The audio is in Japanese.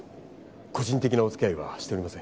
個人的なお付き合いはしておりません。